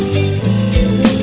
selamat malam mas